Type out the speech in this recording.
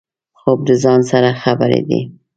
خوب د ځان سره خبرې دي